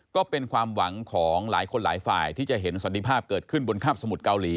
ก็เป็นความหวังของหลายคนหลายฝ่ายที่จะเห็นสันติภาพเกิดขึ้นบนคาบสมุทรเกาหลี